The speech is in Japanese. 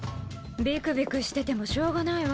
びくびくしててもしょうがないわ。